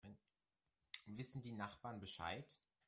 Wissen die Nachbarn Bescheid?